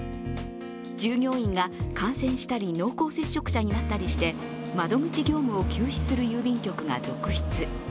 従業員が感染したり濃厚接触者になったりして窓口業務を休止する郵便局が続出。